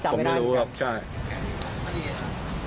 ผมไม่รู้ครับ